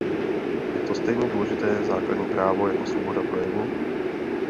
Je to stejně důležité základní právo jako svoboda projevu?